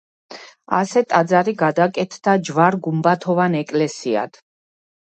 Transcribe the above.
ასე ტაძარი გადაკეთდა ჯვარ-გუმბათოვან ეკლესიად.